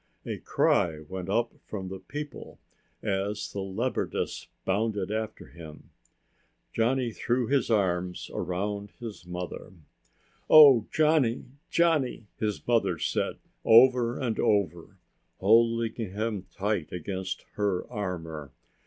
A cry went up from the people as the leopardess bounded after him. Johnny threw his arms about his mother. "Oh, Johnny, Johnny!" his mother said over and over, holding him tight against her armor.